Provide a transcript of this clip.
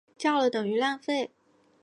叫了等于浪费